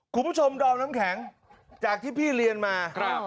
คุณผู้ชมดอมน้ำแข็งจากที่พี่เรียนมา